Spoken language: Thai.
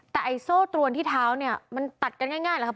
แต่ไอ้โซ่ตรวนที่เท้าเนี่ยมันตัดกันง่ายหรือครับ